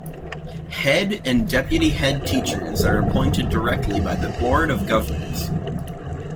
Head and deputy-head teachers are appointed directly by the Board of Governors.